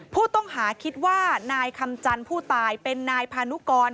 ผู้ต้องหาคิดว่านายคำจันทร์ผู้ตายเป็นนายพานุกร